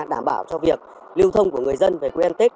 đảm bảo cho việc lưu thông của người dân về quân an tích